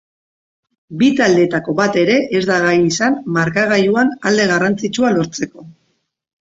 Bi taldeetako bat ere ez da gai izan markagailuan alde garrantzitsua lortzeko.